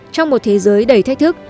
trong một thế giới đầy thách thức